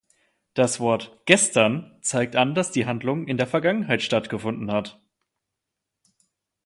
Das Wort "gestern" zeigt an, dass die Handlung in der Vergangenheit stattgefunden hat.